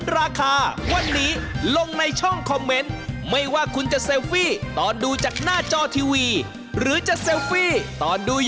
ราคาถูกที่สุด